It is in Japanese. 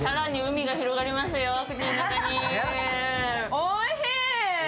おいしい！